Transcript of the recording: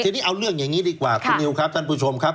ทีนี้เอาเรื่องอย่างนี้ดีกว่าคุณนิวครับท่านผู้ชมครับ